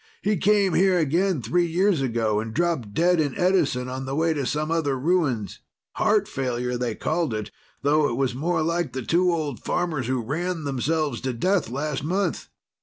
He came here again three years ago and dropped dead in Edison on the way to some other ruins. Heart failure, they called it, though it was more like the two old farmers who ran themselves to death last month.